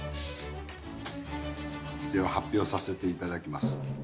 では発表させていただきます。